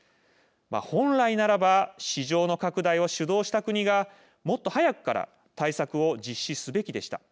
本来ならば市場の拡大を主導した国がもっと早くから対策を実施すべきでした。